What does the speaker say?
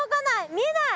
見えない！